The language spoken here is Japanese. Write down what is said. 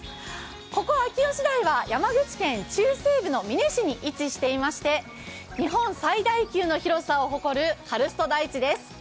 ここ秋吉台は山口県中西部の美祢市に位置していまして、日本最大級の広さを誇るカルスト台地です。